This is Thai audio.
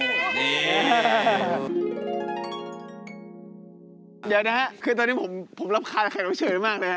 เดี๋ยวนะครับคือตอนนี้ผมรับคาดกับแข่งรับเฉินมากนะครับ